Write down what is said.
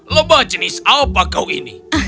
lebah jenis apa kau ini